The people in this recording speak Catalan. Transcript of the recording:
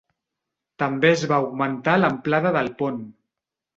També es va augmentar l'amplada del pont.